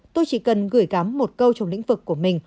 tôi chỉ cần gửi gắm một câu trong lĩnh vực của mình